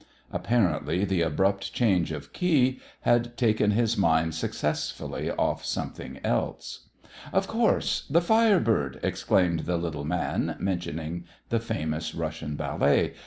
Apparently the abrupt change of key had taken his mind successfully off something else. "Of course 'The Fire Bird,'" exclaimed the little man, mentioning the famous Russian ballet.